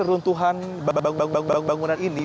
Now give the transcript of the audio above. runtuhan bangunan ini